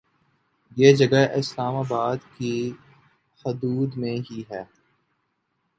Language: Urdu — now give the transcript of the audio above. یہ جگہ اسلام آباد کی حدود میں ہی ہے